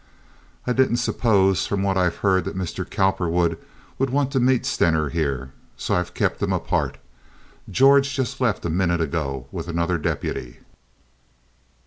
"I didn't suppose from what I've heard that Mr. Cowperwood would want to meet Stener here, so I've kept 'em apart. George just left a minute ago with another deputy."